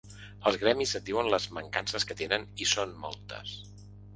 Els gremis et diuen les mancances que tenen i són moltes.